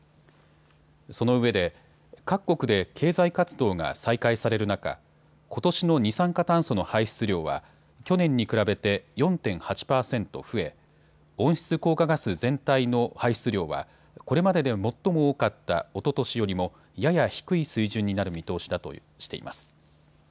そのうえで各国で経済活動が再開される中、ことしの二酸化炭素の排出量は去年に比べて４．８％増え温室効果ガス全体の排出量はこれまでで最も多かったおととしよりも、やや低い水準になる見通しだとしています。